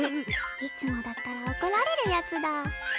いつもだったらおこられるやつだ。